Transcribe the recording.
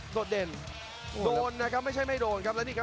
ประโยชน์ทอตอร์จานแสนชัยกับยานิลลาลีนี่ครับ